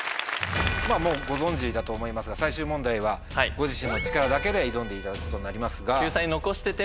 もうご存じだと思いますが最終問題はご自身の力だけで挑んでいただくことになりますが。